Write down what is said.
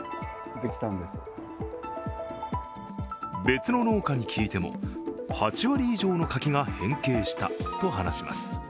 別の農家に聞いても、８割以上の柿が変形したと話します。